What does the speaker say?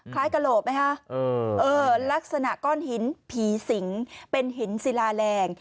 คล้ายกระโหลกไหมฮะเออลักษณะก้อนหินผีสิงเป็นหินศิลาแหลง